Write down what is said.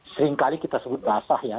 seringkali kita sebut basah ya